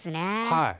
はい。